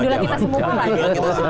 iya idola kita semua lah ya